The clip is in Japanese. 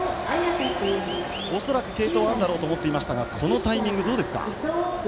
おそらく継投はあるだろうと思っていましたがこのタイミング、どうですか？